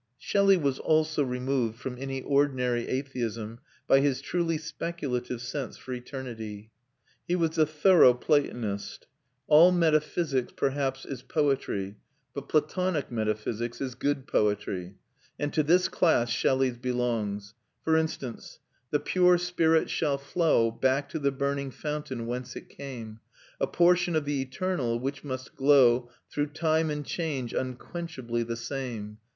Shelley was also removed from any ordinary atheism by his truly speculative sense for eternity. He was a thorough Platonist All metaphysics perhaps is poetry, but Platonic metaphysics is good poetry, and to this class Shelley's belongs. For instance: "The pure spirit shall flow Back to the burning fountain whence it came, A portion of the eternal, which must glow Through time and change, unquenchably the same.